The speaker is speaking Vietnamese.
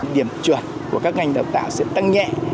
điểm chuẩn của các ngành đào tạo sẽ tăng nhẹ